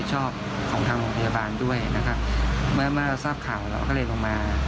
เพื่อลองเล่าว่าพรุ่งจะไม่เป็นอะไรอยากให้เราช่วยวิจัย